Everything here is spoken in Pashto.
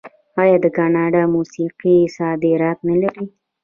آیا د کاناډا موسیقي صادرات نلري؟